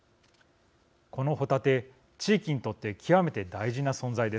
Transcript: このホタテ地域にとって極めて大事な存在です。